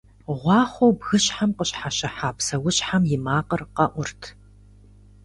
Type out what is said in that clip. Гъуахъуэу бгыщхьэм къыщхьэщыхьа псэущхьэм и макъыр къэӏурт.